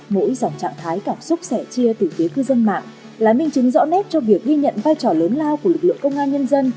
mỗi dòng trạng thái cảm xúc sẻ chia từ phía cư dân mạng là minh chứng rõ nét cho việc ghi nhận vai trò lớn lao của lực lượng công an nhân dân